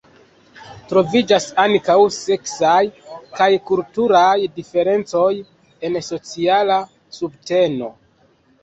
Troviĝas ankaŭ seksaj kaj kulturaj diferencoj en sociala subteno.